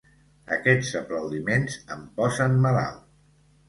Aquests aplaudiments em posen malalt.